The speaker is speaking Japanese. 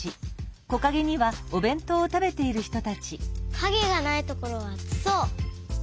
かげがないところはあつそう。